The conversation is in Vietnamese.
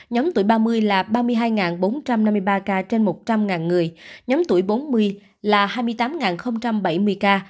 nhóm tuổi ba mươi là ba mươi hai bốn trăm năm mươi ba ca trên một trăm linh người nhóm tuổi bốn mươi là hai mươi tám bảy mươi ca